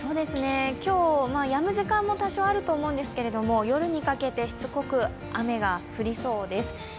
今日、やむ時間も多少あると思いますが夜にかけてしつこく雨が降りそうです。